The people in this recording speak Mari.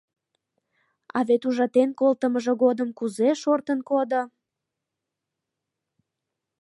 А вет ужатен колтымыжо годым кузе шортын кодо...